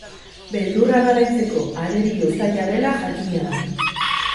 Beldurra garaitzeko arerio zaila dela jakina da.